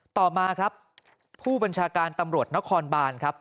ต่อมาครับผู้บัญชาการตำรวจนครบานครับ